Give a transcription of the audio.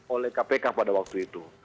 oleh kpk pada waktu itu